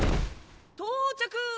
到着！